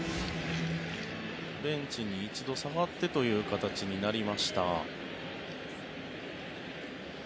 ベンチに一度下がってという形になりました。